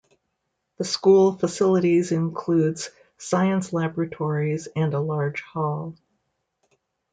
The school facilities includes science laboratories and a large hall.